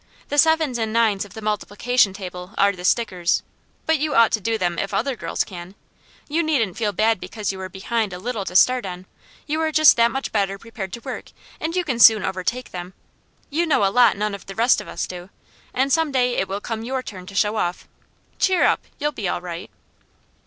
The sevens and nines of the multiplication table are the stickers, but you ought to do them if other girls can. You needn't feel bad because you are behind a little to start on; you are just that much better prepared to work, and you can soon overtake them. You know a lot none of the rest of us do, and some day it will come your turn to show off. Cheer up, you'll be all right."